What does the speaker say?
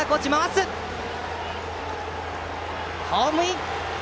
ホームイン！